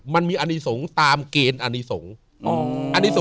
มันมีอนิสงฆ์ตามเกณฑ์อนิสงฆ์